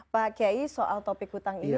pak kiai soal topik hutang ini